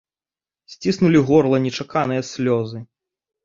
Сціснулі горла нечаканыя слёзы.